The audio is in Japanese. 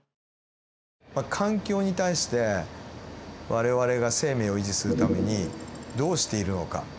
環境に対して我々が生命を維持するためにどうしているのか。